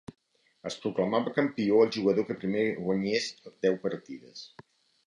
Es proclamava campió el jugador que primer guanyés deu partides.